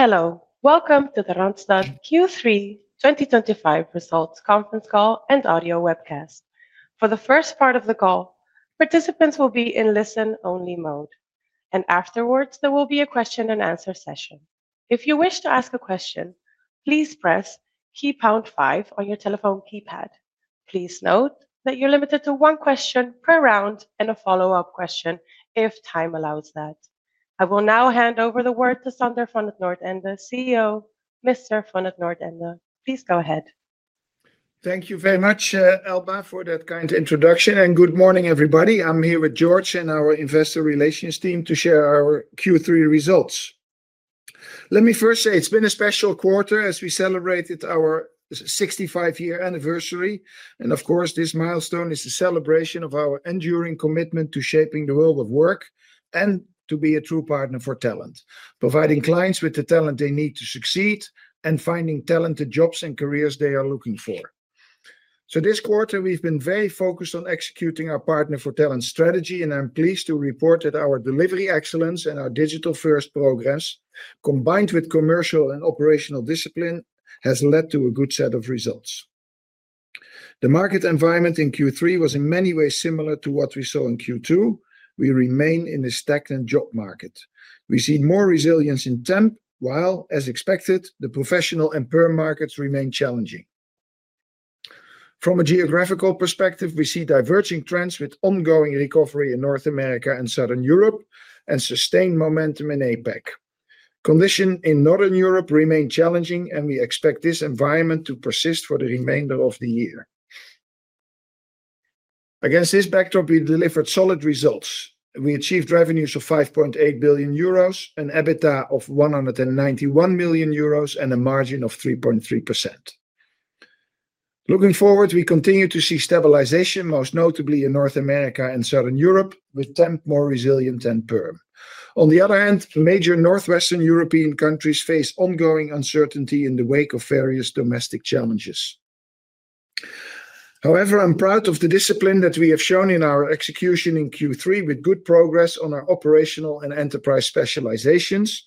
Hello, welcome to the Randstad Q3 2025 results conference call and audio webcast. For the first part of the call, participants will be in listen-only mode, and afterwards there will be a question and answer session. If you wish to ask a question, please press pound five on your telephone keypad. Please note that you're limited to one question per round and a follow-up question if time allows. I will now hand over the word to Sander van 't Noordende, CEO. Mr. van 't Noordende, please go ahead. Thank you very much, Elba, for that kind introduction and good morning everybody. I'm here with George and our Investor Relations team to share our Q3 results. Let me first say it's been a special quarter as we celebrated our 65-year anniversary, and of course this milestone is a celebration of our enduring commitment to shaping the world of work and to be a true partner for talent, providing clients with the talent they need to succeed and finding talented jobs and careers they are looking for. This quarter we've been very focused on executing our Partner for Talent strategy, and I'm pleased to report that our delivery excellence and our digital-first progress, combined with commercial and operational discipline, has led to a good set of results. The market environment in Q3 was in many ways similar to what we saw in Q2. We remain in a stagnant job market. We see more resilience in temp, while, as expected, the professional and perm markets remain challenging. From a geographical perspective, we see diverging trends with ongoing recovery in North America and Southern Europe and sustained momentum in APAC. Conditions in Northern Europe remain challenging, and we expect this environment to persist for the remainder of the year. Against this backdrop, we delivered solid results. We achieved revenues of €5.8 billion, an EBITDA of €191 million, and a margin of 3.3%. Looking forward, we continue to see stabilization, most notably in North America and Southern Europe, with temp more resilient than perm. On the other hand, major Northwestern European countries face ongoing uncertainty in the wake of various domestic challenges. However, I'm proud of the discipline that we have shown in our execution in Q3, with good progress on our operational and enterprise specializations.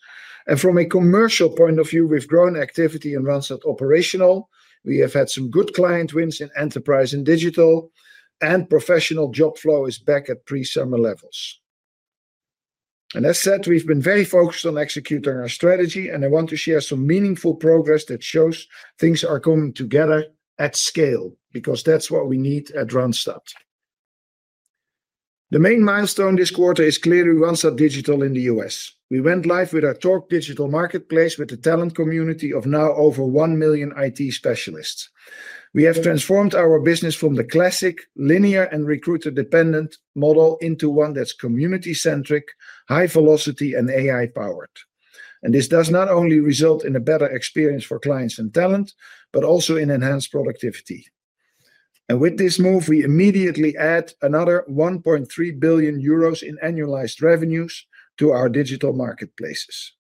From a commercial point of view, we've grown activity in Randstad operational. We have had some good client wins in enterprise and digital, and professional job flow is back at pre-summer levels. As said, we've been very focused on executing our strategy, and I want to share some meaningful progress that shows things are coming together at scale because that's what we need at Randstad. The main milestone this quarter is clearly Randstad Digital in the U.S. We went live with our Torque Digital Marketplace with a talent community of now over 1 million IT specialists. We have transformed our business from the classic linear and recruiter-dependent model into one that's community-centric, high-velocity, and AI-powered. This does not only result in a better experience for clients and talent, but also in enhanced productivity. With this move, we immediately add another €1.3 billion in annualized revenue to our digital marketplaces.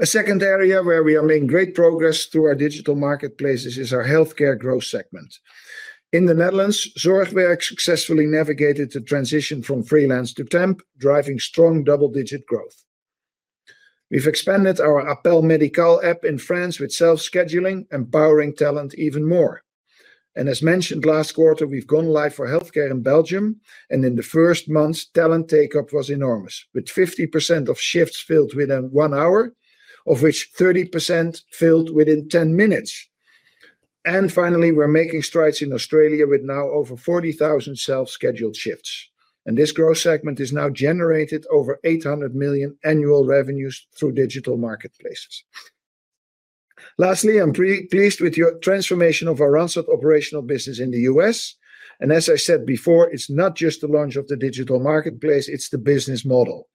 A second area where we are making great progress through our digital marketplaces is our healthcare growth segment. In the Netherlands, Zorgwerk successfully navigated the transition from freelance to temp, driving strong double-digit growth. We've expanded our Appel Medical app in France with self-scheduling, empowering talent even more. As mentioned last quarter, we've gone live for healthcare in Belgium, and in the first months, talent take-up was enormous, with 50% of shifts filled within one hour, of which 30% filled within 10 minutes. Finally, we're making strides in Australia with now over 40,000 self-scheduled shifts. This growth segment has now generated over €800 million annual revenue through digital marketplaces. Lastly, I'm pleased with the transformation of our Randstad operational business in the U.S. As I said before, it's not just the launch of the digital marketplace, it's the business model.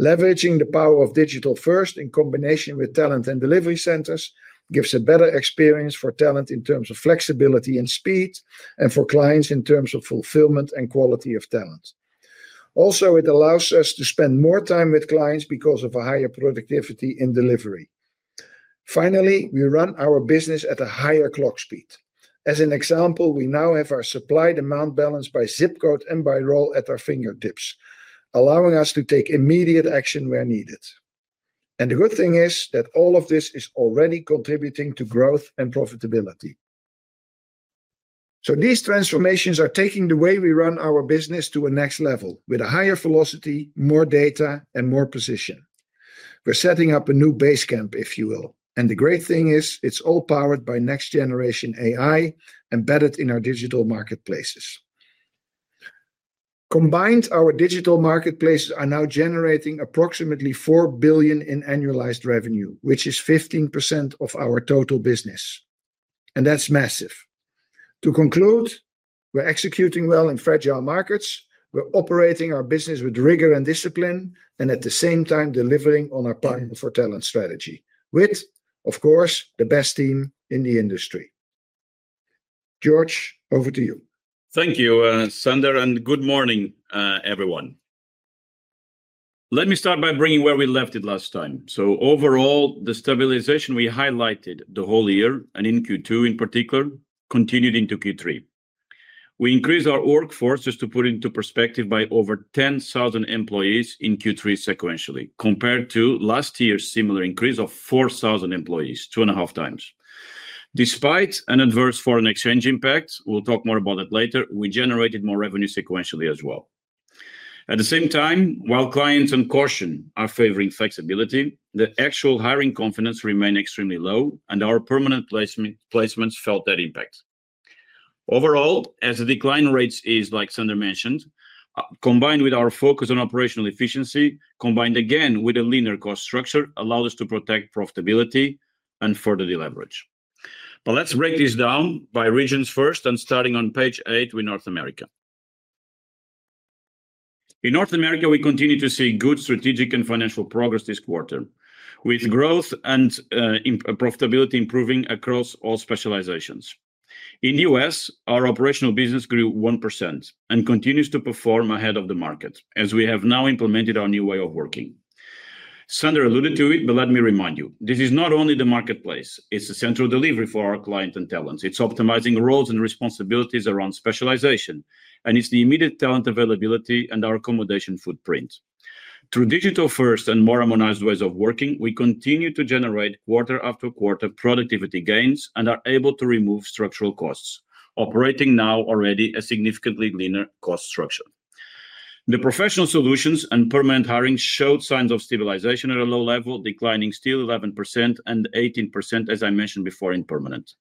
Leveraging the power of digital-first in combination with talent and delivery centers gives a better experience for talent in terms of flexibility and speed, and for clients in terms of fulfillment and quality of talent. It also allows us to spend more time with clients because of a higher productivity in delivery. We run our business at a higher clock speed. As an example, we now have our supply-demand balance by zip code and by role at our fingertips, allowing us to take immediate action where needed. The good thing is that all of this is already contributing to growth and profitability. These transformations are taking the way we run our business to a next level, with a higher velocity, more data, and more position. We're setting up a new base camp, if you will. The great thing is, it's all powered by next-generation AI embedded in our digital marketplaces. Combined, our digital marketplaces are now generating approximately €4 billion in annualized revenue, which is 15% of our total business. That's massive. To conclude, we're executing well in fragile markets. We're operating our business with rigor and discipline, and at the same time, delivering on our partner for talent strategy, with, of course, the best team in the industry. George, over to you. Thank you, Sander, and good morning, everyone. Let me start by bringing where we left it last time. Overall, the stabilization we highlighted the whole year, and in Q2 in particular, continued into Q3. We increased our workforce, just to put it into perspective, by over 10,000 employees in Q3 sequentially, compared to last year's similar increase of 4,000 employees, two and a half times. Despite an adverse foreign exchange impact, we'll talk more about it later, we generated more revenue sequentially as well. At the same time, while clients and caution are favoring flexibility, the actual hiring confidence remained extremely low, and our permanent placements felt that impact. Overall, as the decline rate is, like Sander mentioned, combined with our focus on operational efficiency, combined again with a linear cost structure, allowed us to protect profitability and further the leverage. Now let's break this down by regions first, and starting on page eight with North America. In North America, we continue to see good strategic and financial progress this quarter, with growth and profitability improving across all specializations. In the U.S., our operational business grew 1% and continues to perform ahead of the market, as we have now implemented our new way of working. Sander alluded to it, but let me remind you, this is not only the marketplace. It's a central delivery for our clients and talents. It's optimizing roles and responsibilities around specialization, and it's the immediate talent availability and our accommodation footprint. Through digital-first and more harmonized ways of working, we continue to generate quarter after quarter productivity gains and are able to remove structural costs, operating now already a significantly leaner cost structure. The professional solutions and permanent hiring showed signs of stabilization at a low level, declining still 11% and 18%, as I mentioned before, in permanent.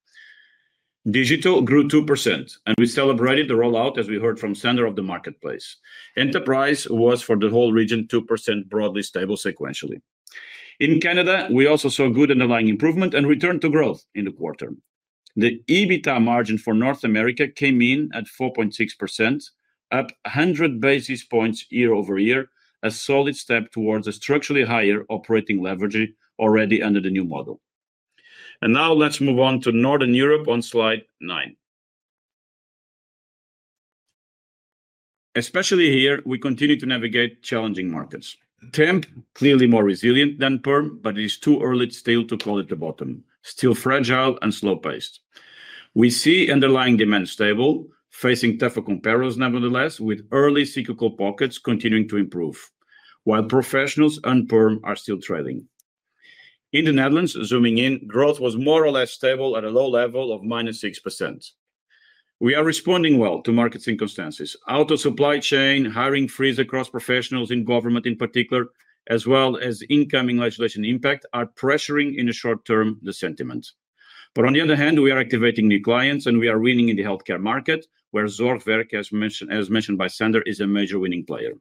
Digital grew 2%, and we celebrated the rollout, as we heard from Sander of the marketplace. Enterprise was, for the whole region, 2% broadly stable sequentially. In Canada, we also saw good underlying improvement and return to growth in the quarter. The EBITDA margin for North America came in at 4.6%, up 100 basis points year over year, a solid step towards a structurally higher operating leverage already under the new model. Now let's move on to Northern Europe on slide nine. Especially here, we continue to navigate challenging markets. Temp, clearly more resilient than perm, but it is too early still to call it the bottom, still fragile and slow-paced. We see underlying demand stable, facing tougher comparisons, nevertheless, with early cyclical pockets continuing to improve, while professionals and perm are still trailing. In the Netherlands, zooming in, growth was more or less stable at a low level of -6%. We are responding well to market circumstances. Out of supply chain, hiring freeze across professionals in government in particular, as well as incoming legislation impact, are pressuring in the short term the sentiment. On the other hand, we are activating new clients and we are winning in the healthcare market, where Zorgwerk, as mentioned by Sander, is a major winning player.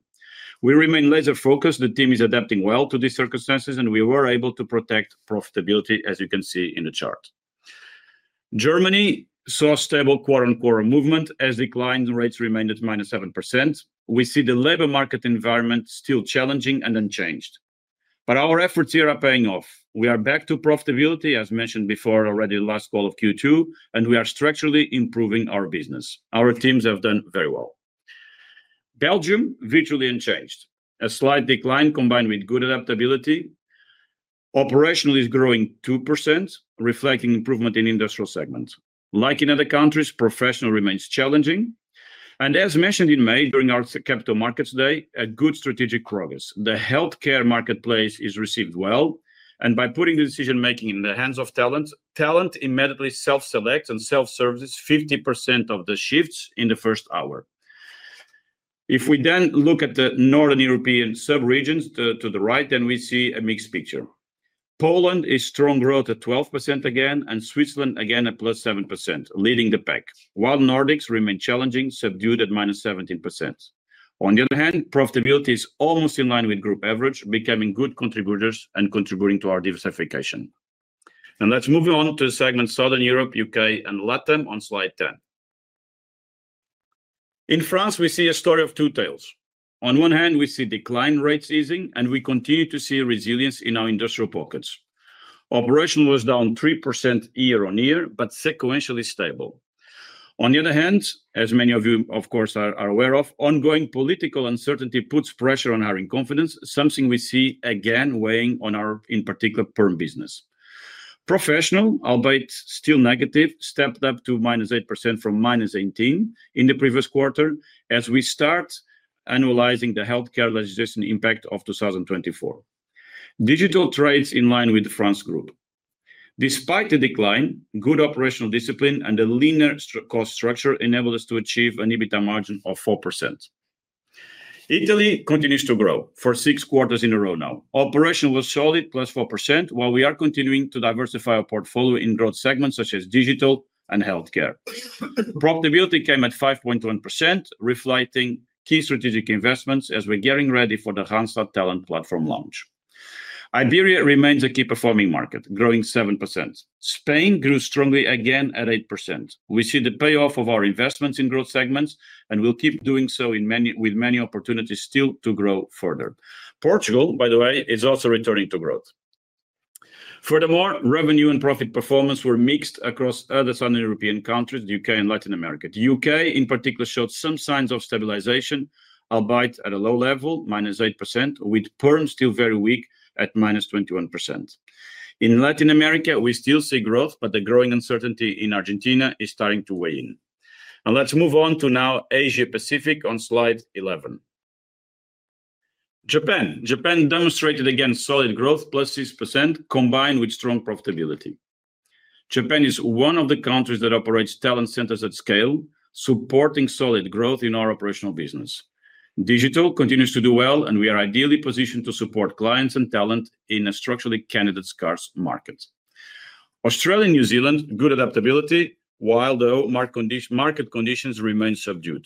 We remain laser-focused. The team is adapting well to these circumstances and we were able to protect profitability, as you can see in the chart. Germany saw stable quarter-on-quarter movement as the client rates remained at -7%. We see the labor market environment still challenging and unchanged. Our efforts here are paying off. We are back to profitability, as mentioned before already last call of Q2, and we are structurally improving our business. Our teams have done very well. Belgium, virtually unchanged. A slight decline combined with good adaptability. Operational is growing 2%, reflecting improvement in industrial segments. Like in other countries, professional remains challenging. As mentioned in May during our Capital Markets Day, a good strategic progress. The healthcare marketplace is received well, and by putting the decision-making in the hands of talent, talent immediately self-selects and self-services 50% of the shifts in the first hour. If we then look at the Northern European sub-regions to the right, then we see a mixed picture. Poland is strong growth at 12% again, and Switzerland again at plus 7%, leading the pack, while Nordics remain challenging, subdued at -17%. On the other hand, profitability is almost in line with group average, becoming good contributors and contributing to our diversification. Now let's move on to the segment Southern Europe, UK, and LATAM on slide 10. In France, we see a story of two tales. On one hand, we see decline rates easing, and we continue to see resilience in our industrial pockets. Operation was down 3% year on year, but sequentially stable. On the other hand, as many of you, of course, are aware of, ongoing political uncertainty puts pressure on hiring confidence, something we see again weighing on our, in particular, perm business. Professional, albeit still negative, stepped up to -8% from -18% in the previous quarter as we start analyzing the healthcare legislation impact of 2024. Digital trades in line with the France group. Despite the decline, good operational discipline and a linear cost structure enable us to achieve an EBITDA margin of 4%. Italy continues to grow for six quarters in a row now. Operation was solid, +4%, while we are continuing to diversify our portfolio in growth segments such as digital and healthcare. Profitability came at 5.1%, reflecting key strategic investments as we're getting ready for the Hansard Talent Platform launch. Iberia remains a key performing market, growing 7%. Spain grew strongly again at 8%. We see the payoff of our investments in growth segments and will keep doing so with many opportunities still to grow further. Portugal, by the way, is also returning to growth. Furthermore, revenue and profit performance were mixed across other Southern European countries, the UK and Latin America. The UK in particular showed some signs of stabilization, albeit at a low level, -8%, with perm still very weak at -21%. In Latin America, we still see growth, but the growing uncertainty in Argentina is starting to weigh in. Now let's move on to now Asia-Pacific on slide 11. Japan. Japan demonstrated again solid growth, +6%, combined with strong profitability. Japan is one of the countries that operates talent centers at scale, supporting solid growth in our operational business. Digital continues to do well, and we are ideally positioned to support clients and talent in a structurally candidate-scarce market. Australia and New Zealand, good adaptability, while though market conditions remain subdued.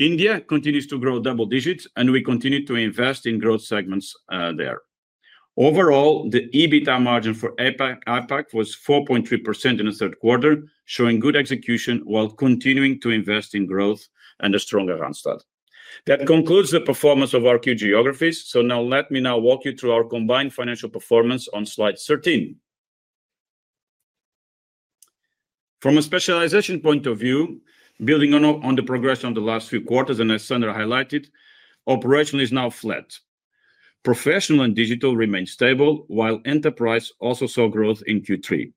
India continues to grow double digits, and we continue to invest in growth segments there. Overall, the EBITDA margin for APAC was 4.3% in the third quarter, showing good execution while continuing to invest in growth and a stronger Randstad. That concludes the performance of our two geographies. Now let me walk you through our combined financial performance on slide 13. From a specialization point of view, building on the progression of the last few quarters, and as Sander highlighted, operation is now flat. Professional and digital remain stable, while enterprise also saw growth in Q3.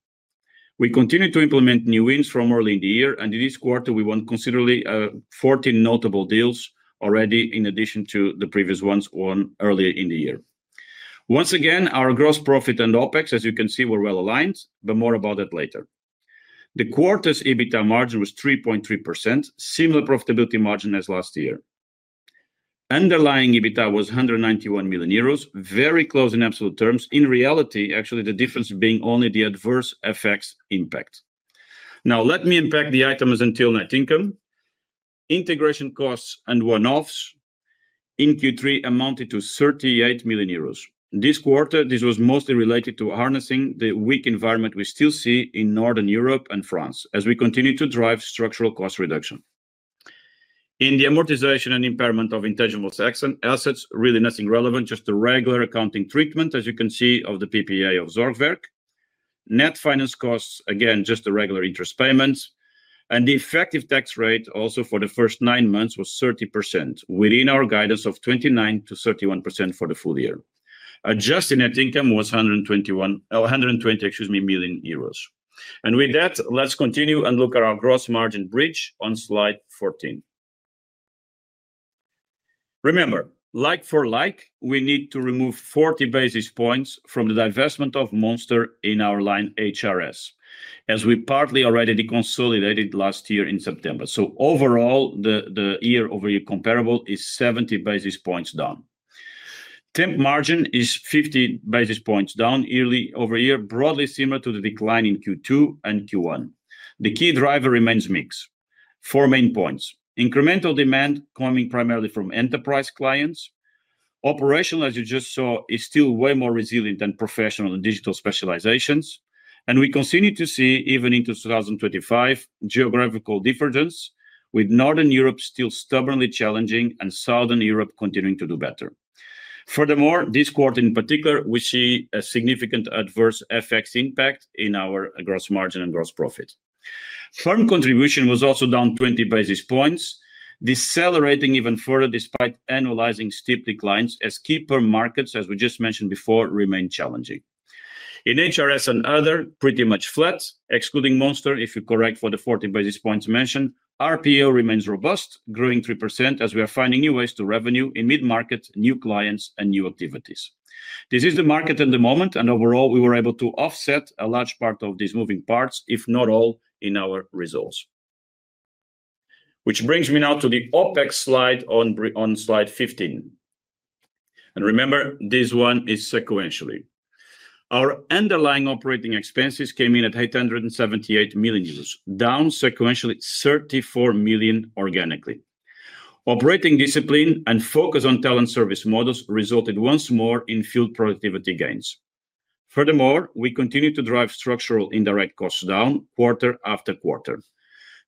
We continue to implement new wins from early in the year, and in this quarter, we won considerably 14 notable deals already in addition to the previous ones won earlier in the year. Once again, our gross profit and OpEx, as you can see, were well aligned, but more about that later. The quarter's EBITDA margin was 3.3%, similar profitability margin as last year. Underlying EBITDA was €191 million, very close in absolute terms. In reality, actually, the difference being only the adverse effects impact. Now let me impact the items until net income. Integration costs and one-offs in Q3 amounted to €38 million. This quarter, this was mostly related to harnessing the weak environment we still see in Northern Europe and France as we continue to drive structural cost reduction. In the amortization and impairment of intangible assets, really nothing relevant, just a regular accounting treatment, as you can see of the PPA of Zorgwerk. Net finance costs, again, just the regular interest payments. The effective tax rate also for the first nine months was 30% within our guidance of 29%-31% for the full year. Adjusted net income was €120 million. With that, let's continue and look at our gross margin bridge on slide 14. Remember, like for like, we need to remove 40 basis points from the divestment of Monster in our line HRS, as we partly already consolidated last year in September. Overall, the year-over-year comparable is 70 basis points down. Temp margin is 50 basis points down year-over-year, broadly similar to the decline in Q2 and Q1. The key driver remains mixed. Four main points: incremental demand coming primarily from enterprise clients. Operation, as you just saw, is still way more resilient than professional and digital specializations. We continue to see, even into 2025, geographical divergence, with Northern Europe still stubbornly challenging and Southern Europe continuing to do better. Furthermore, this quarter in particular, we see a significant adverse effects impact in our gross margin and gross profit. Firm contribution was also down 20 basis points, decelerating even further despite analyzing steep declines as key per markets, as we just mentioned before, remain challenging. In HRS and other, pretty much flat, excluding Monster, if you correct for the 40 basis points mentioned. RPO remains robust, growing 3% as we are finding new ways to revenue in mid-market, new clients, and new activities. This is the market at the moment, and overall, we were able to offset a large part of these moving parts, if not all, in our results. Which brings me now to the OpEx slide on slide 15. Remember, this one is sequentially. Our underlying operating expenses came in at €878 million, down sequentially €34 million organically. Operating discipline and focus on talent service models resulted once more in field productivity gains. Furthermore, we continue to drive structural indirect costs down quarter after quarter.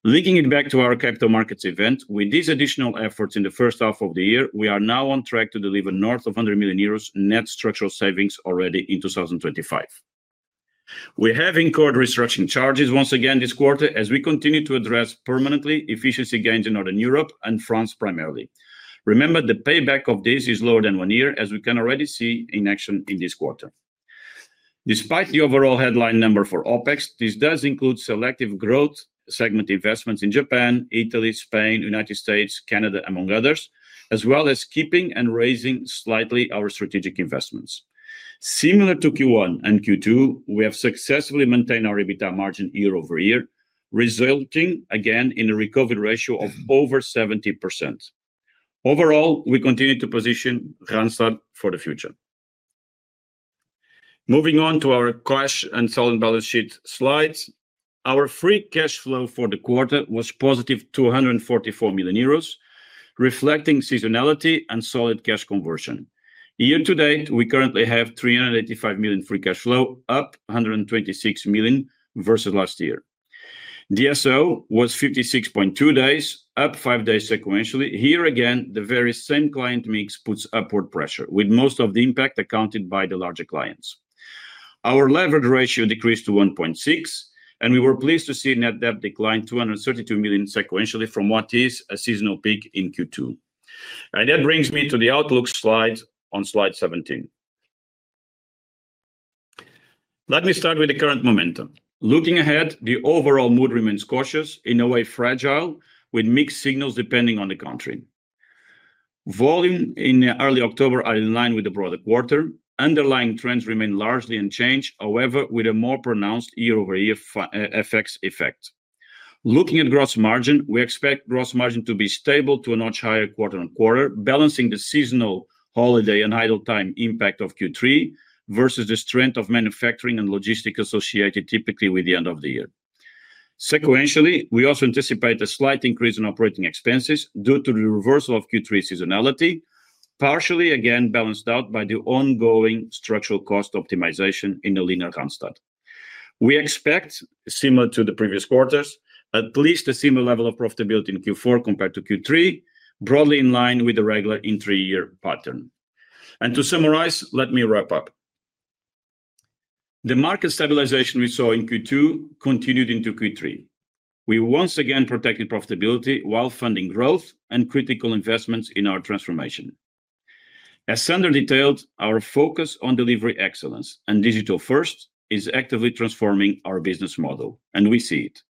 Linking it back to our capital markets event, with these additional efforts in the first half of the year, we are now on track to deliver north of €100 million net structural savings already in 2025. We have incurred restructuring charges once again this quarter as we continue to address permanently efficiency gains in Northern Europe and France primarily. Remember, the payback of this is lower than one year, as we can already see in action in this quarter. Despite the overall headline number for OpEx, this does include selective growth segment investments in Japan, Italy, Spain, United States, Canada, among others, as well as keeping and raising slightly our strategic investments. Similar to Q1 and Q2, we have successfully maintained our EBITDA margin year over year, resulting again in a recovery ratio of over 70%. Overall, we continue to position Randstad for the future. Moving on to our cash and solid balance sheet slides, our free cash flow for the quarter was positive €244 million, reflecting seasonality and solid cash conversion. Year to date, we currently have €385 million free cash flow, up €126 million versus last year. DSO was 56.2 days, up five days sequentially. Here again, the very same client mix puts upward pressure, with most of the impact accounted by the larger clients. Our leverage ratio decreased to 1.6, and we were pleased to see net debt decline €232 million sequentially from what is a seasonal peak in Q2. That brings me to the outlook slides on slide 17. Let me start with the current momentum. Looking ahead, the overall mood remains cautious, in a way fragile, with mixed signals depending on the country. Volume in early October is in line with the broader quarter. Underlying trends remain largely unchanged, however, with a more pronounced year-over-year effect. Looking at gross margin, we expect gross margin to be stable to a notch higher quarter on quarter, balancing the seasonal holiday and idle time impact of Q3 versus the strength of manufacturing and logistics associated typically with the end of the year. Sequentially, we also anticipate a slight increase in operating expenses due to the reversal of Q3 seasonality, partially again balanced out by the ongoing structural cost optimization in a linear Randstad. We expect, similar to the previous quarters, at least a similar level of profitability in Q4 compared to Q3, broadly in line with the regular three-year pattern. To summarize, let me wrap up. The market stabilization we saw in Q2 continued into Q3. We once again protected profitability while funding growth and critical investments in our transformation. As Sander van 't Noordende detailed, our focus on delivery excellence and digital-first is actively transforming our business model, and we see it.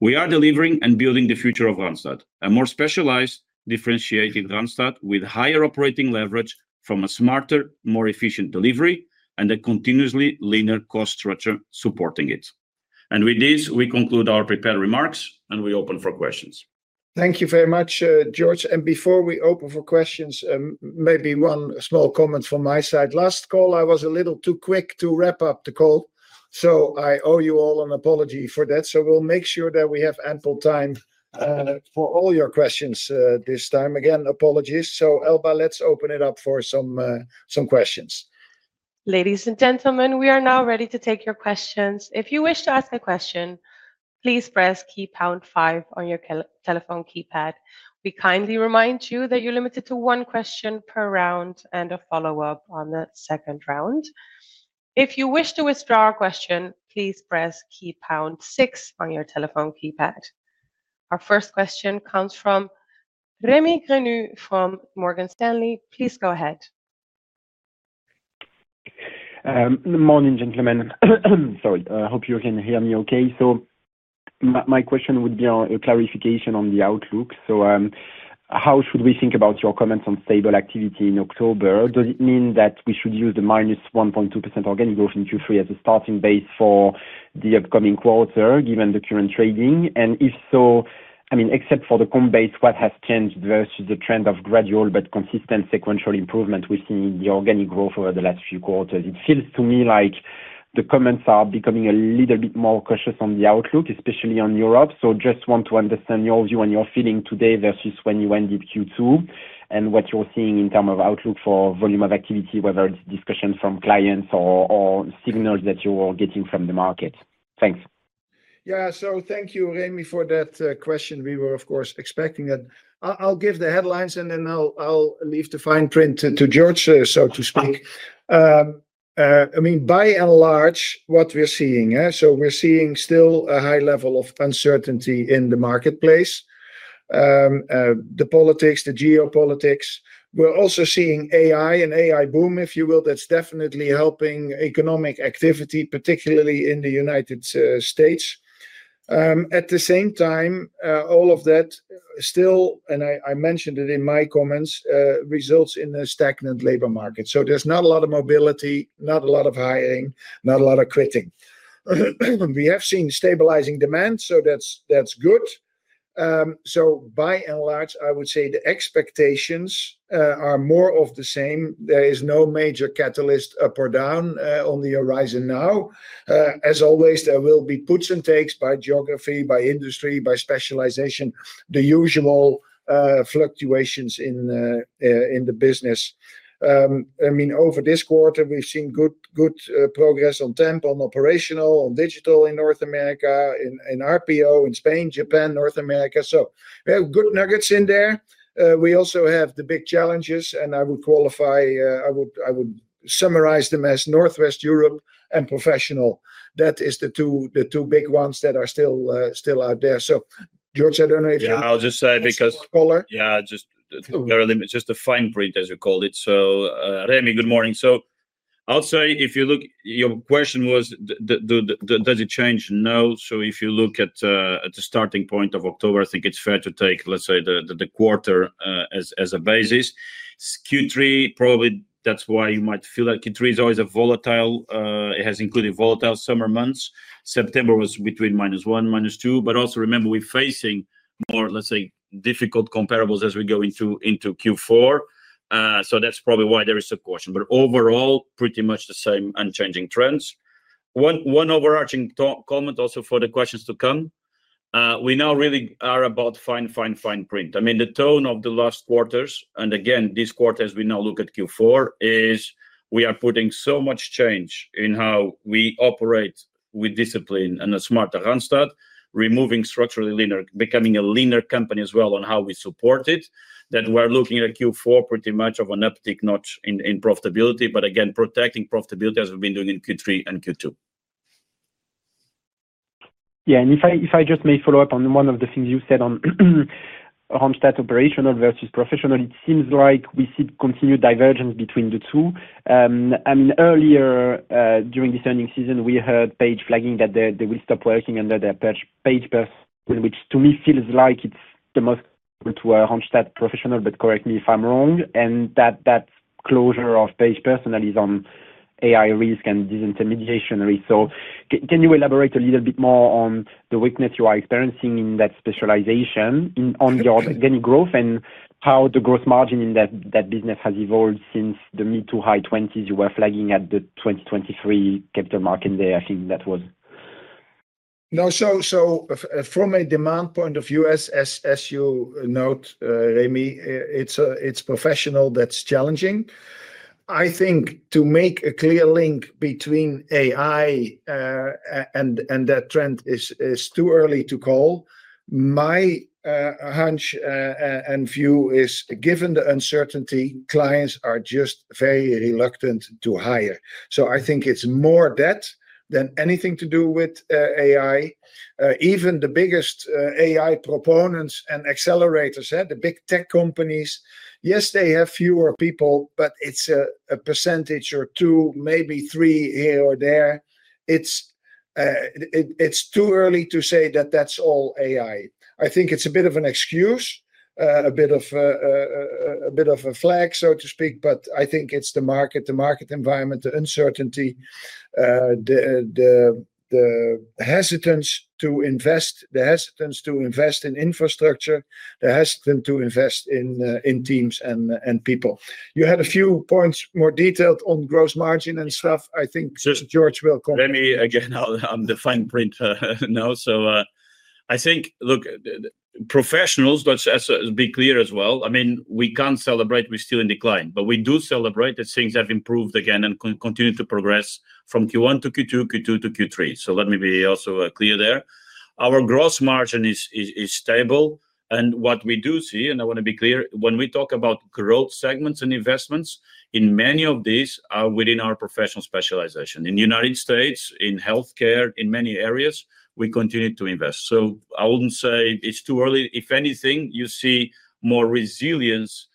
We are delivering and building the future of Randstad, a more specialized, differentiated Randstad with higher operating leverage from a smarter, more efficient delivery and a continuously linear cost structure supporting it. With this, we conclude our prepared remarks and we open for questions. Thank you very much, George. Before we open for questions, maybe one small comment from my side. Last call, I was a little too quick to wrap up the call, so I owe you all an apology for that. We'll make sure that we have ample time for all your questions this time. Again, apologies. Elba, let's open it up for some questions. Ladies and gentlemen, we are now ready to take your questions. If you wish to ask a question, please press key pound five on your telephone keypad. We kindly remind you that you're limited to one question per round and a follow-up on the second round. If you wish to withdraw a question, please press key pound six on your telephone keypad. Our first question comes from mRemi Grenu from Morgan Stanley. Please go ahead. Morning gentlemen. Sorry, I hope you can hear me okay. My question would be a clarification on the outlook. How should we think about your comments on stable activity in October? Does it mean that we should use the -1.2% organic growth in Q3 as a starting base for the upcoming quarter given the current trading? If so, except for the combats, what has changed versus the trend of gradual but consistent sequential improvement we've seen in the organic growth over the last few quarters? It feels to me like the comments are becoming a little bit more cautious on the outlook, especially on Europe. I just want to understand your view and your feeling today versus when you ended Q2 and what you're seeing in terms of outlook for volume of activity, whether it's discussion from clients or signals that you're getting from the market. Thanks. Thank you, Remi, for that question. We were, of course, expecting that. I'll give the headlines and then I'll leave the fine print to George, so to speak. By and large, what we're seeing, we're seeing still a high level of uncertainty in the marketplace. The politics, the geopolitics. We're also seeing AI and AI boom, if you will. That's definitely helping economic activity, particularly in the United States. At the same time, all of that still, and I mentioned it in my comments, results in a stagnant labor market. There's not a lot of mobility, not a lot of hiring, not a lot of quitting. We have seen stabilizing demand, so that's good. By and large, I would say the expectations are more of the same. There is no major catalyst up or down on the horizon now. As always, there will be puts and takes by geography, by industry, by specialization, the usual fluctuations in the business. Over this quarter, we've seen good progress on temp, on operational, on digital in North America, in RPO, in Spain, Japan, North America. We have good nuggets in there. We also have the big challenges, and I would qualify, I would summarize them as Northwestern Europe and professional. That is the two big ones that are still out there. George, I don't know if you want to call it. Yeah, I'll just say because, yeah, just the fine print, as you called it. Remi, good morning. I'll say if you look, your question was, does it change? No. If you look at the starting point of October, I think it's fair to take, let's say, the quarter as a basis. Q3, probably that's why you might feel that Q3 is always volatile. It has included volatile summer months. September was between -1%, -2%, but also remember we're facing more, let's say, difficult comparables as we go into Q4. That's probably why there is a question. Overall, pretty much the same unchanging trends. One overarching comment also for the questions to come. We now really are about fine, fine, fine print. I mean, the tone of the last quarters, and again, this quarter as we now look at Q4, is we are putting so much change in how we operate with discipline and a smarter Randstad, removing structurally linear, becoming a linear company as well on how we support it, that we're looking at Q4 pretty much of an uptick notch in profitability, again, protecting profitability as we've been doing in Q3 and Q2. If I just may follow up on one of the things you said on Randstad operational versus professional, it seems like we see continued divergence between the two. Earlier during the earning season, we heard Page flagging that they will stop working under their Page Personnel, which to me feels like it's the most to a Randstad professional, but correct me if I'm wrong. That closure of Page Personnel is on AI risk and disintermediation risk. Can you elaborate a little bit more on the weakness you are experiencing in that specialization on your organic growth and how the growth margin in that business has evolved since the mid to high 20% you were flagging at the 2023 capital market day? I think that was. No, from a demand point of view, as you note, Remi, it's professional that's challenging. I think to make a clear link between AI and that trend is too early to call. My hunch and view is, given the uncertainty, clients are just very reluctant to hire. I think it's more that than anything to do with AI. Even the biggest AI proponents and accelerators, the big tech companies, yes, they have fewer people, but it's a percentage or two, maybe 3% here or there. It's too early to say that that's all AI. I think it's a bit of an excuse, a bit of a flag, so to speak, but I think it's the market, the market environment, the uncertainty, the hesitance to invest, the hesitance to invest in infrastructure, the hesitance to invest in teams and people. You had a few points more detailed on gross margin and stuff. I think George will comment. Remi, again, I'm the fine print now. I think, look, professionals, let's be clear as well. I mean, we can't celebrate, we're still in decline, but we do celebrate that things have improved again and continue to progress from Q1 to Q2, Q2 to Q3. Let me be also clear there. Our gross margin is stable. What we do see, and I want to be clear, when we talk about growth segments and investments, many of these are within our professional specialization. In the United States, in healthcare, in many areas, we continue to invest. I wouldn't say it's too early. If anything, you see more resilience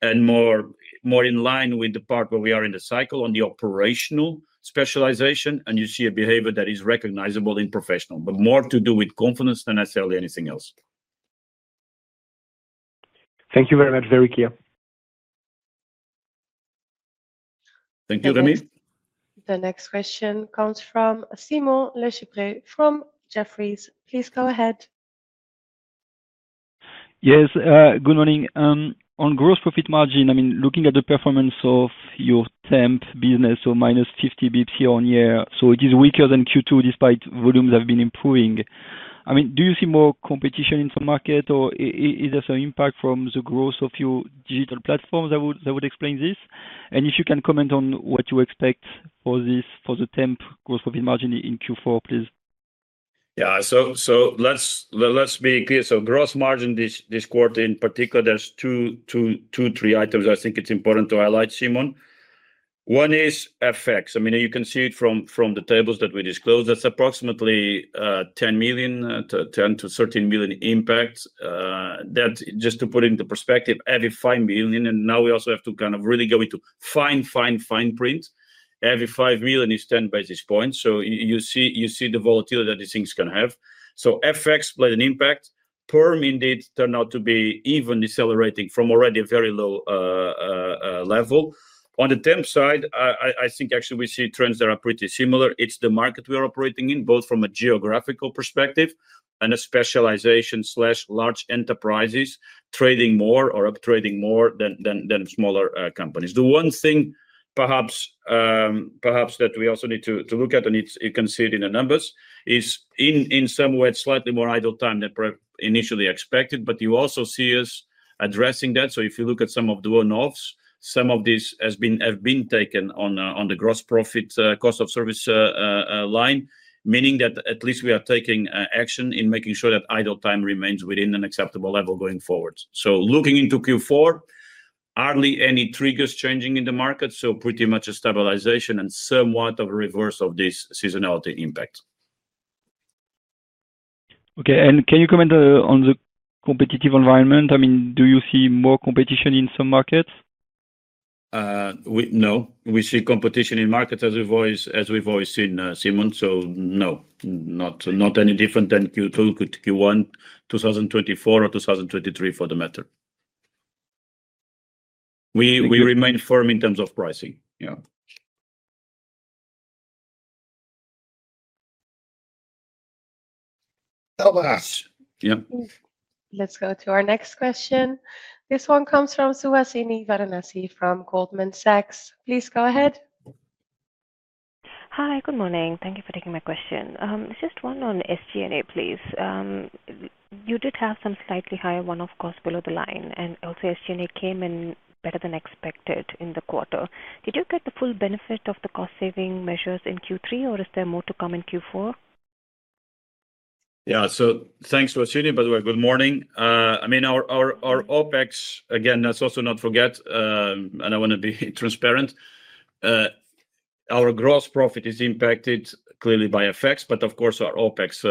and more in line with the part where we are in the cycle on the operational specialization, and you see a behavior that is recognizable in professional. More to do with confidence than necessarily anything else. Thank you very much, very clear. Thank you, Remi. The next question comes from Simon LeChipre from Jefferies. Please go ahead. Yes, good morning. On gross profit margin, I mean, looking at the performance of your temp business, so -50 basis points year on year, it is weaker than Q2 despite volumes that have been improving. Do you see more competition in the market, or is there some impact from the growth of your digital platforms that would explain this? If you can comment on what you expect for this, for the temp gross profit margin in Q4, please. Yeah, let's be clear. Gross margin this quarter in particular, there's two, two, three items I think it's important to highlight, Simon. One is effects. You can see it from the tables that we disclosed. That's approximately $10 million, $10 to $13 million impact. Just to put it into perspective, every $5 million, and now we also have to really go into fine, fine, fine print, every $5 million is 10 basis points. You see the volatility that these things can have. Effects play an impact. Perm indeed turned out to be even decelerating from already a very low level. On the temp side, I think actually we see trends that are pretty similar. It's the market we are operating in, both from a geographical perspective and a specialization slash large enterprises trading more or uptrading more than smaller companies. The one thing perhaps that we also need to look at, and you can see it in the numbers, is in some ways slightly more idle time than initially expected, but you also see us addressing that. If you look at some of the one-offs, some of these have been taken on the gross profit cost of service line, meaning that at least we are taking action in making sure that idle time remains within an acceptable level going forward. Looking into Q4, hardly any triggers changing in the market, pretty much a stabilization and somewhat of a reverse of this seasonality impact. Okay, can you comment on the competitive environment? I mean, do you see more competition in some markets? No, we see competition in markets as we've always seen, Simon. No, not any different than Q2, Q1, 2024, or 2023 for that matter. We remain firm in terms of pricing. Let's go to our next question. This one comes from Suhasini Varanasi from Goldman Sachs. Please go ahead. Hi, good morning. Thank you for taking my question. It's just one on SG&A, please. You did have some slightly higher one-off costs below the line, and also SG&A came in better than expected in the quarter. Did you get the full benefit of the cost-saving measures in Q3, or is there more to come in Q4? Yeah, so thanks for tuning in, by the way. Good morning. I mean, our OpEx, again, let's also not forget, and I want to be transparent, our gross profit is impacted clearly by FX, but of course our OpEx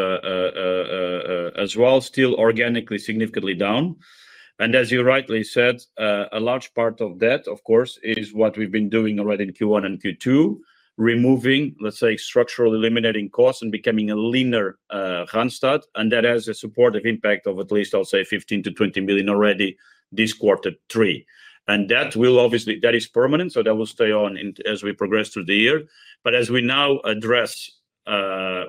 as well, still organically significantly down. As you rightly said, a large part of that, of course, is what we've been doing already in Q1 and Q2, removing, let's say, structural eliminating costs and becoming a leaner Randstad, and that has a supportive impact of at least, I'll say, $15 to $20 million already this quarter, three. That is permanent, so that will stay on as we progress through the year. As we now address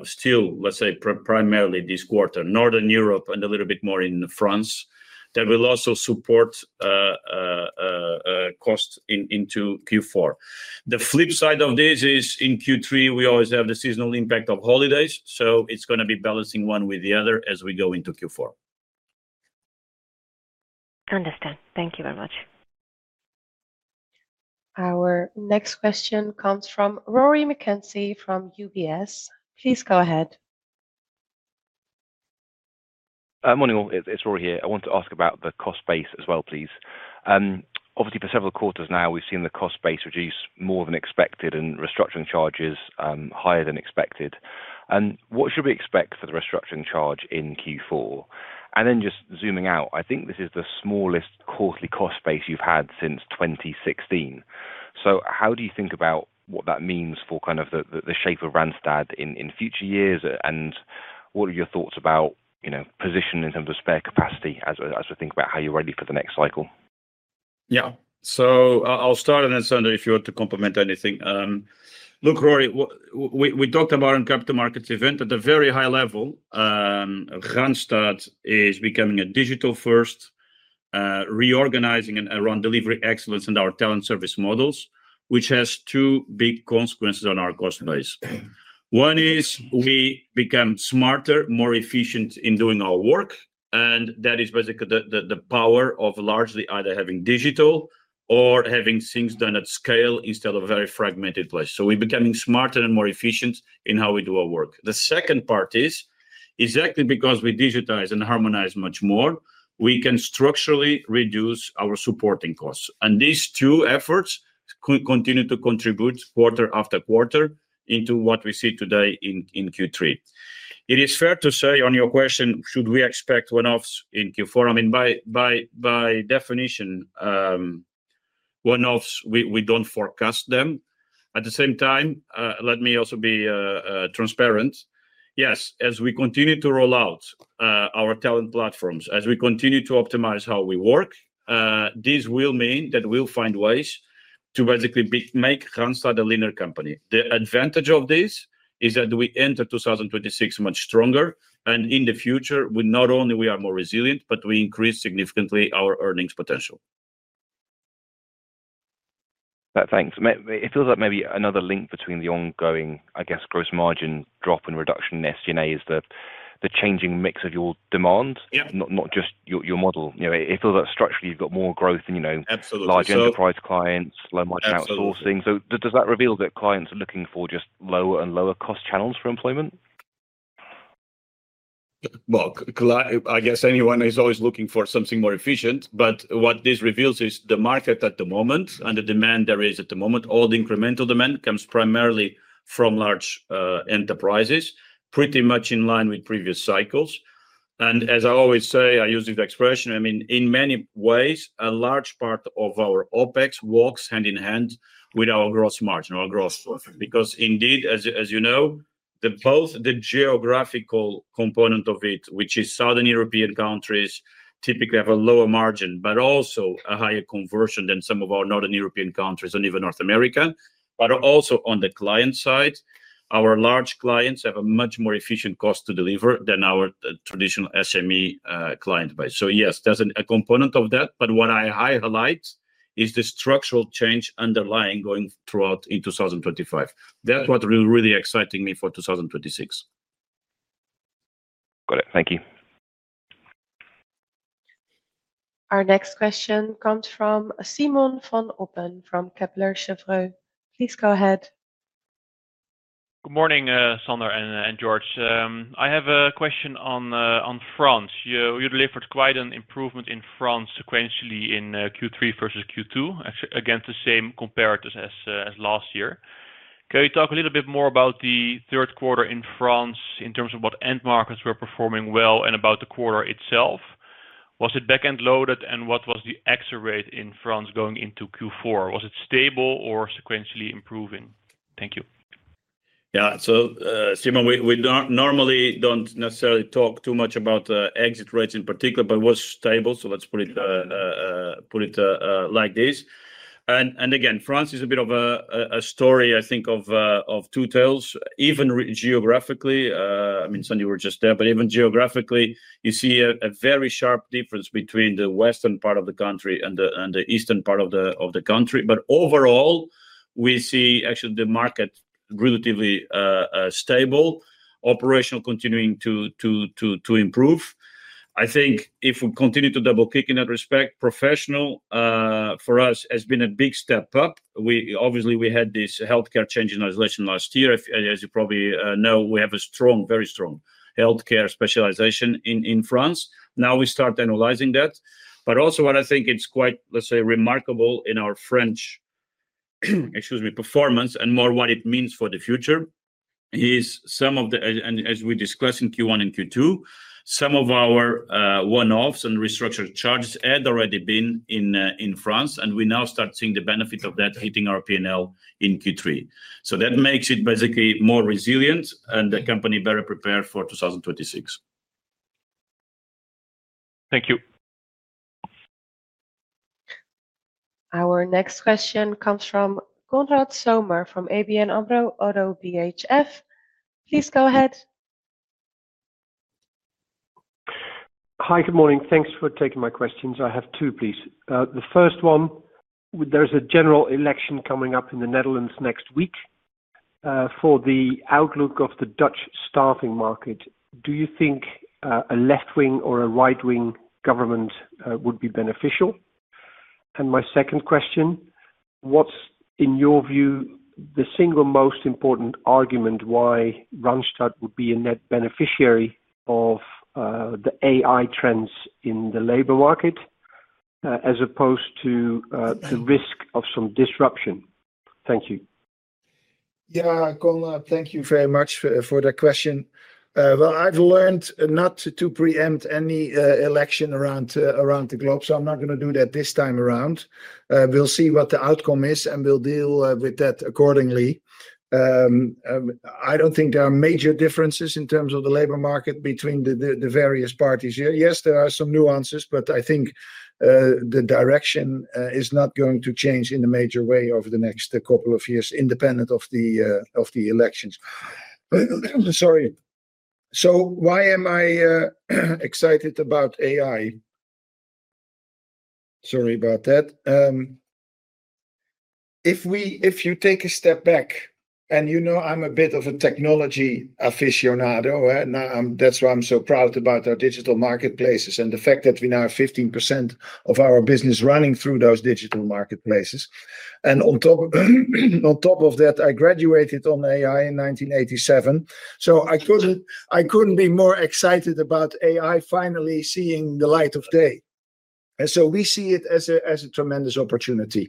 still, let's say, primarily this quarter, Northern Europe and a little bit more in France, that will also support costs into Q4. The flip side of this is in Q3, we always have the seasonal impact of holidays, so it's going to be balancing one with the other as we go into Q4. Understood. Thank you very much. Our next question comes from Rory McKenzie from UBS. Please go ahead. Morning all, it's Rory here. I want to ask about the cost base as well, please. Obviously, for several quarters now, we've seen the cost base reduce more than expected, and restructuring charges higher than expected. What should we expect for the restructuring charge in Q4? Just zooming out, I think this is the smallest quarterly cost base you've had since 2016. How do you think about what that means for kind of the shape of Randstad in future years? What are your thoughts about positioning in terms of spare capacity as we think about how you're ready for the next cycle? Yeah, so I'll start and then Sander, if you want to complement anything. Look, Rory, we talked about in the capital markets event at a very high level, Randstad is becoming a digital-first, reorganizing around delivery excellence and our talent service models, which has two big consequences on our customers. One is we become smarter, more efficient in doing our work, and that is basically the power of largely either having digital or having things done at scale instead of a very fragmented place. We're becoming smarter and more efficient in how we do our work. The second part is exactly because we digitize and harmonize much more, we can structurally reduce our supporting costs. These two efforts continue to contribute quarter after quarter into what we see today in Q3. It is fair to say on your question, should we expect one-offs in Q4? I mean, by definition, one-offs, we don't forecast them. At the same time, let me also be transparent. Yes, as we continue to roll out our talent platforms, as we continue to optimize how we work, this will mean that we'll find ways to basically make Randstad a leaner company. The advantage of this is that we enter 2026 much stronger, and in the future, not only are we more resilient, but we increase significantly our earnings potential. Thanks. It feels like maybe another link between the ongoing, I guess, gross margin drop and reduction in SG&A is the changing mix of your demand, not just your model. It feels like structurally you've got more growth in large enterprise clients, low-margin outsourcing. Does that reveal that clients are looking for just lower and lower cost channels for employment? Anyone is always looking for something more efficient, but what this reveals is the market at the moment and the demand there is at the moment. All the incremental demand comes primarily from large enterprises, pretty much in line with previous cycles. As I always say, I use this expression, I mean, in many ways, a large part of our OpEx works hand in hand with our gross margin, our gross profit, because indeed, as you know, both the geographical component of it, which is Southern European countries, typically have a lower margin, but also a higher conversion than some of our Northern European countries and even North America. Also, on the client side, our large clients have a much more efficient cost to deliver than our traditional SME client base. Yes, there's a component of that, but what I highlight is the structural change underlying going throughout in 2025. That's what really excites me for 2026. Got it. Thank you. Our next question comes from Simon Van Oppen from Kepler Cheuvreux. Please go ahead. Good morning, Sander and George. I have a question on France. You delivered quite an improvement in France sequentially in Q3 versus Q2. Again, the same comparators as last year. Can you talk a little bit more about the third quarter in France in terms of what end markets were performing well and about the quarter itself? Was it back-end loaded, and what was the exit rate in France going into Q4? Was it stable or sequentially improving? Thank you. Yeah, so Simon, we normally don't necessarily talk too much about exit rates in particular, but it was stable, so let's put it like this. France is a bit of a story, I think, of two tales. Even geographically, I mean, Sander, you were just there, but even geographically, you see a very sharp difference between the western part of the country and the eastern part of the country. Overall, we see actually the market relatively stable, operational continuing to improve. I think if we continue to double-click in that respect, professional for us has been a big step up. Obviously, we had this healthcare change in isolation last year. As you probably know, we have a strong, very strong healthcare specialization in France. Now we start analyzing that. What I think is quite, let's say, remarkable in our French, excuse me, performance and more what it means for the future is some of the, and as we discussed in Q1 and Q2, some of our one-offs and restructured charges had already been in France, and we now start seeing the benefit of that hitting our P&L in Q3. That makes it basically more resilient and the company better prepared for 2026. Thank you. Our next question comes from Gondrat Sommer from ABN AMRO ODDO BHF. Please go ahead. Hi, good morning. Thanks for taking my questions. I have two, please. The first one, there's a general election coming up in the Netherlands next week. For the outlook of the Dutch staffing market, do you think a left-wing or a right-wing government would be beneficial? My second question, what's in your view the single most important argument why Randstad would be a net beneficiary of the AI trends in the labor market as opposed to the risk of some disruption? Thank you. Thank you very much for that question. I've learned not to preempt any election around the globe, so I'm not going to do that this time around. We'll see what the outcome is and we'll deal with that accordingly. I don't think there are major differences in terms of the labor market between the various parties here. Yes, there are some nuances, but I think the direction is not going to change in a major way over the next couple of years, independent of the elections. Sorry. Why am I excited about AI? If you take a step back, and you know I'm a bit of a technology aficionado, that's why I'm so proud about our digital marketplaces and the fact that we now have 15% of our business running through those digital marketplaces. On top of that, I graduated on AI in 1987, so I couldn't be more excited about AI finally seeing the light of day. We see it as a tremendous opportunity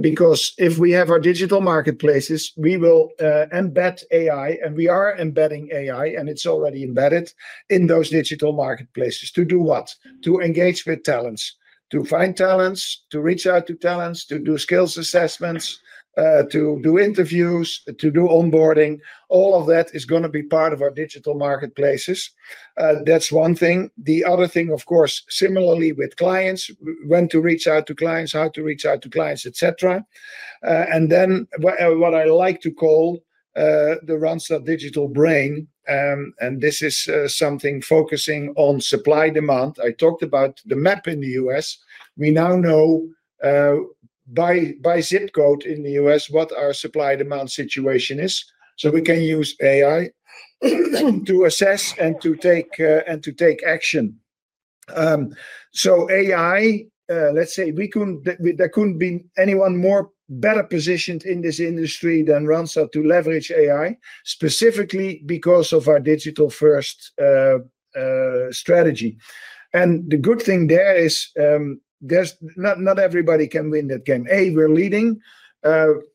because if we have our digital marketplaces, we will embed AI, and we are embedding AI, and it's already embedded in those digital marketplaces. To do what? To engage with talents, to find talents, to reach out to talents, to do skills assessments, to do interviews, to do onboarding. All of that is going to be part of our digital marketplaces. That's one thing. The other thing, of course, similarly with clients, when to reach out to clients, how to reach out to clients, etc. What I like to call the Randstad digital brain, and this is something focusing on supply-demand. I talked about the map in the U.S. We now know by zip code in the U.S. what our supply-demand situation is. We can use AI to assess and to take action. AI, let's say, there couldn't be anyone better positioned in this industry than Randstad to leverage AI, specifically because of our digital-first strategy. The good thing there is not everybody can win that game. We're leading.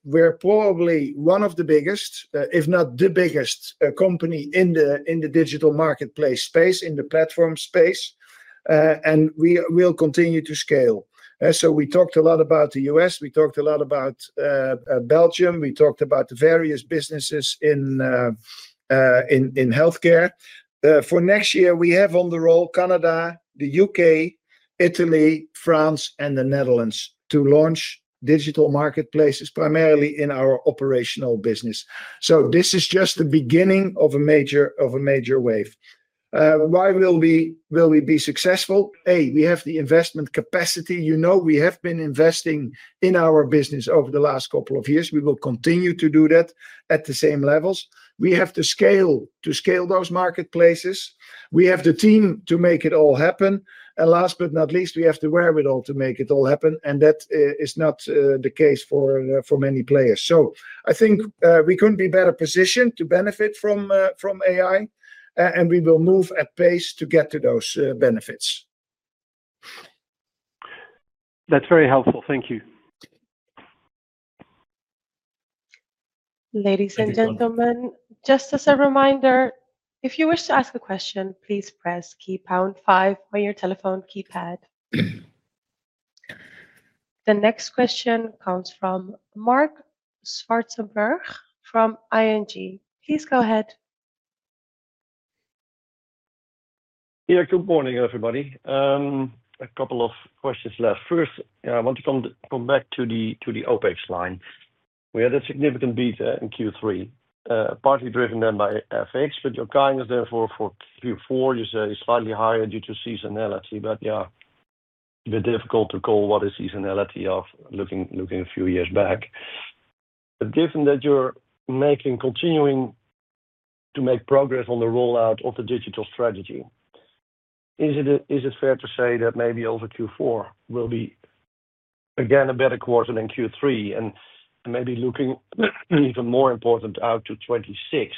We're probably one of the biggest, if not the biggest, company in the digital marketplace space, in the platform space. We will continue to scale. We talked a lot about the U.S. We talked a lot about Belgium. We talked about the various businesses in healthcare. For next year, we have on the roll Canada, the UK, Italy, France, and the Netherlands to launch digital marketplaces, primarily in our operational business. This is just the beginning of a major wave. Why will we be successful? We have the investment capacity. You know we have been investing in our business over the last couple of years. We will continue to do that at the same levels. We have to scale those marketplaces. We have the team to make it all happen. Last but not least, we have the wherewithal to make it all happen. That is not the case for many players. I think we couldn't be better positioned to benefit from AI. We will move at pace to get to those benefits. That's very helpful. Thank you. Ladies and gentlemen, just as a reminder, if you wish to ask a question, please press pound five on your telephone keypad. The next question comes from Marc Zwartsenburg from ING. Please go ahead. Yeah, good morning, everybody. A couple of questions left. First, I want to come back to the OpEx line. We had a significant beat in Q3, partly driven then by FX, but your guidance therefore for Q4 is slightly higher due to seasonality. Yeah, a bit difficult to call what is seasonality looking a few years back. Given that you're continuing to make progress on the rollout of the digital strategy, is it fair to say that maybe Q4 will be again a better quarter than Q3? Maybe looking even more important out to 2026,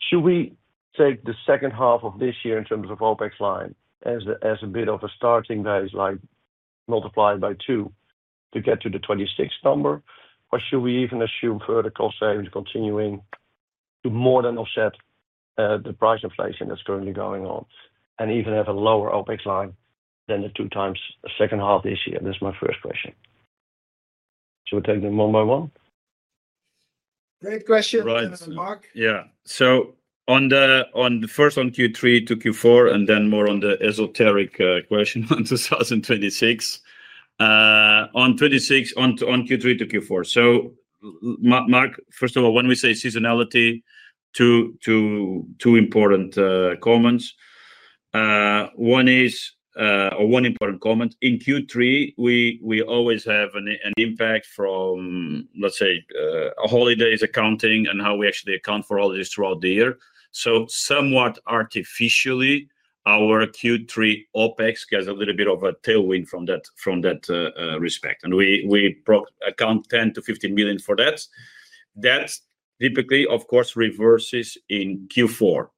should we take the second half of this year in terms of the OpEx line as a bit of a starting base, like multiplied by two to get to the 2026 number? Should we even assume further cost savings continuing to more than offset the price inflation that's currently going on and even have a lower OpEx line than the two times the second half this year? That's my first question. Should we take them one by one? Great question, Mark. Yeah, so on the first on Q3 to Q4 and then more on the esoteric question on 2026, on Q3 to Q4. Mark, first of all, when we say seasonality, two important comments. One is, or one important comment, in Q3, we always have an impact from, let's say, holidays, accounting, and how we actually account for holidays throughout the year. Somewhat artificially, our Q3 OpEx gets a little bit of a tailwind from that respect. We account $10 to $15 million for that. That typically, of course, reverses in Q4.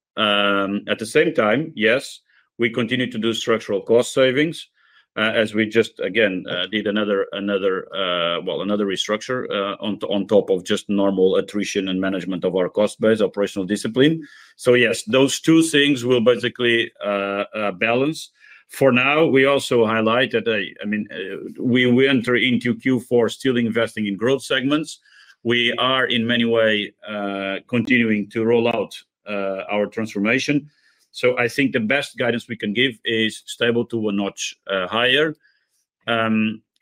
At the same time, yes, we continue to do structural cost savings as we just, again, did another, another restructure on top of just normal attrition and management of our cost base, operational discipline. Yes, those two things will basically balance. For now, we also highlight that, I mean, we enter into Q4 still investing in growth segments. We are in many ways continuing to roll out our transformation. I think the best guidance we can give is stable to a notch higher.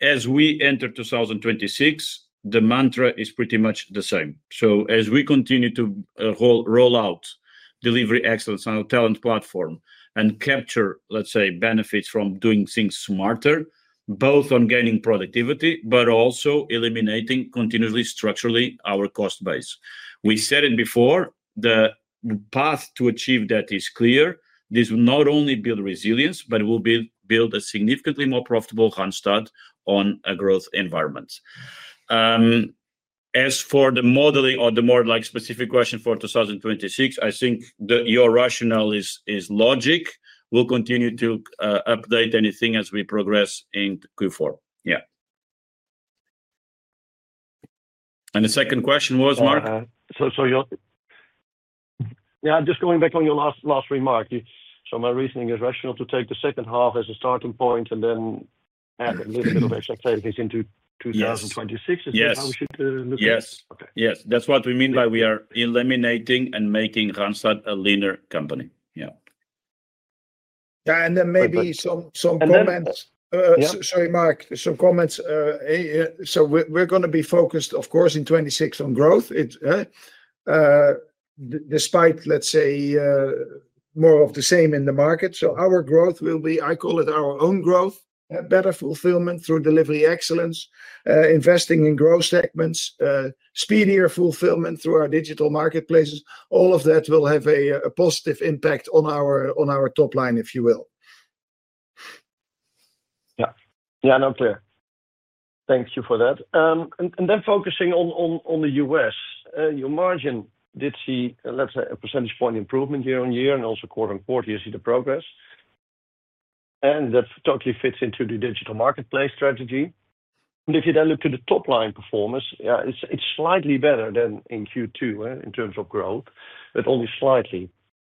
As we enter 2026, the mantra is pretty much the same. As we continue to roll out delivery excellence on our talent platform and capture, let's say, benefits from doing things smarter, both on gaining productivity, but also eliminating continuously structurally our cost base. We said it before, the path to achieve that is clear. This will not only build resilience, but it will build a significantly more profitable handstand on a growth environment. As for the modeling or the more like specific question for 2026, I think your rationale is logic. We'll continue to update anything as we progress in Q4. Yeah. The second question was, Mark? I'm just going back on your last remark. My reasoning is rational to take the second half as a starting point and then add a little bit of exit savings into 2026. Is that how we should look at it? Yes, yes. That's what we mean by we are eliminating and making Randstad a leaner company. Yeah, maybe some comments. Sorry, Mark, some comments. We're going to be focused, of course, in 2026 on growth, despite, let's say, more of the same in the market. Our growth will be, I call it our own growth, better fulfillment through delivery excellence, investing in growth segments, speedier fulfillment through our digital marketplaces. All of that will have a positive impact on our top line, if you will. Yeah, no, clear. Thank you for that. Then focusing on the US, your margin did see, let's say, a % point improvement year on year and also quarter on quarter, you see the progress. That totally fits into the digital marketplace strategy. If you then look to the top line performance, yeah, it's slightly better than in Q2 in terms of growth, but only slightly.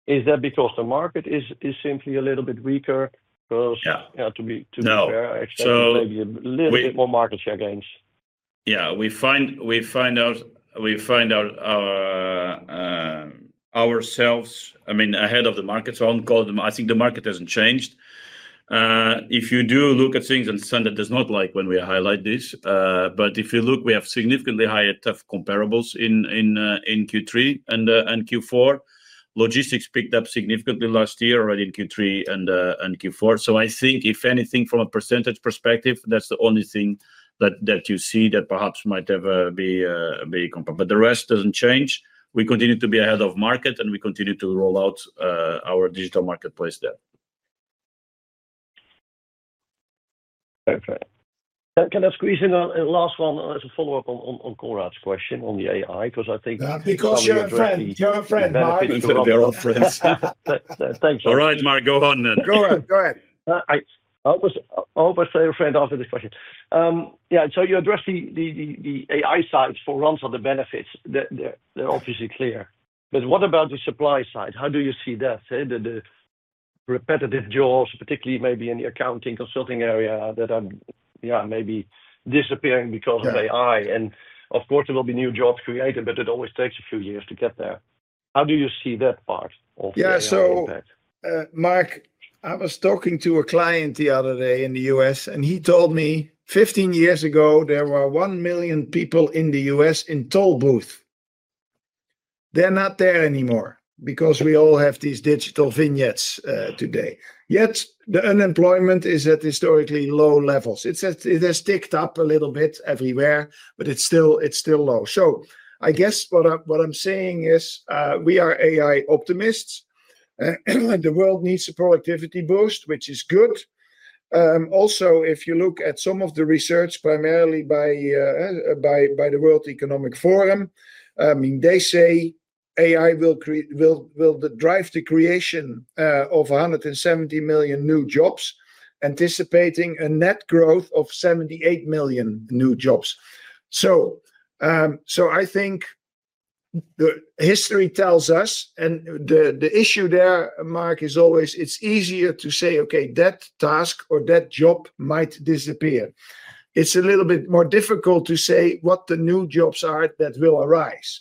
Is that because the market is simply a little bit weaker? Because to be fair, I expect maybe a little bit more market share gains. Yeah. We find out ourselves, I mean, ahead of the market. I wouldn't call them, I think the market hasn't changed. If you do look at things, and Sander does not like when we highlight this, but if you look, we have significantly higher comparables in Q3 and Q4. Logistics picked up significantly last year already in Q3 and Q4. I think if anything from a percentage perspective, that's the only thing that you see that perhaps might be a big comparable. The rest doesn't change. We continue to be ahead of market and we continue to roll out our digital marketplace there. Perfect. Can I squeeze in a last one as a follow-up on Gondrat's question on the AI? Because I think. Yeah, because you're a friend, you're a friend, Marc. I think you're a friend. Thanks, guys. All right, Marc, go on then. Go ahead. I was over a friend after this question. Yeah, you addressed the AI side for Randstad, the benefits. They're obviously clear. What about the supply side? How do you see that? The repetitive jobs, particularly maybe in the accounting consulting area, that are, yeah, maybe disappearing because of AI. Of course, there will be new jobs created, but it always takes a few years to get there. How do you see that part of the? Yeah, Mark, I was talking to a client the other day in the U.S., and he told me 15 years ago there were 1 million people in the U.S. in toll booths. They're not there anymore because we all have these digital vignettes today. Yet the unemployment is at historically low levels. It has ticked up a little bit everywhere, but it's still low. I guess what I'm saying is we are AI optimists. The world needs a productivity boost, which is good. Also, if you look at some of the research primarily by the World Economic Forum, they say AI will drive the creation of 170 million new jobs, anticipating a net growth of 78 million new jobs. I think the history tells us, and the issue there, Mark, is always it's easier to say, okay, that task or that job might disappear. It's a little bit more difficult to say what the new jobs are that will arise.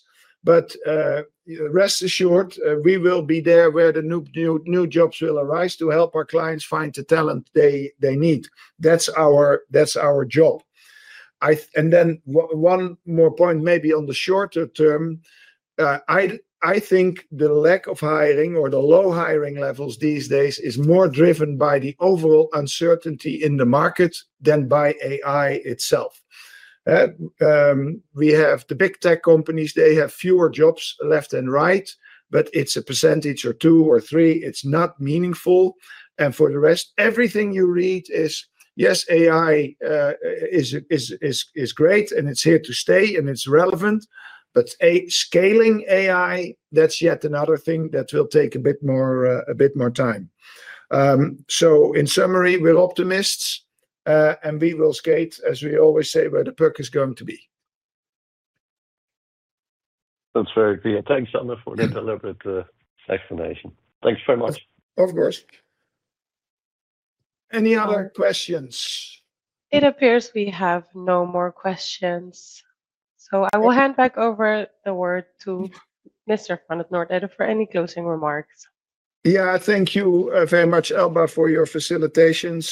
Rest assured, we will be there where the new jobs will arise to help our clients find the talent they need. That's our job. One more point, maybe on the shorter term, I think the lack of hiring or the low hiring levels these days is more driven by the overall uncertainty in the market than by AI itself. We have the big tech companies, they have fewer jobs left and right, but it's a percentage or two or three, it's not meaningful. For the rest, everything you read is, yes, AI is great and it's here to stay and it's relevant, but scaling AI, that's yet another thing that will take a bit more time. In summary, we're optimists and we will skate, as we always say, where the puck is going to be. That's very clear. Thanks, Sander, for that elaborate explanation. Thanks very much. Of course. Any other questions? It appears we have no more questions. I will hand back over the word to Mr. Sander van 't Noordende for any closing remarks. Thank you very much, Elba, for your facilitations.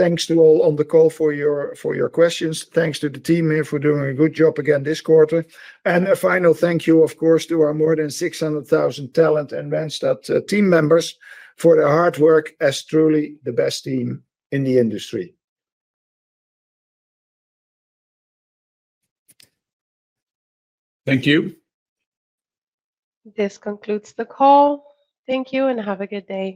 Thanks to all on the call for your questions. Thanks to the team here for doing a good job again this quarter. A final thank you, of course, to our more than 600,000 talent and Randstad team members for their hard work as truly the best team in the industry. Thank you. This concludes the call. Thank you and have a good day.